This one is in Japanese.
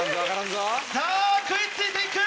さぁ食い付いていく！